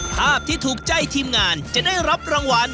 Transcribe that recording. ภาพที่ถูกใจทีมงานจะได้รับรางวัล